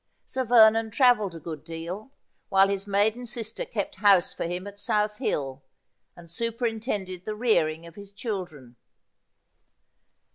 Sir Vernon travelled a good deal, while his maiden sister kept house for him at South Hill, and superintended the rearing of his children.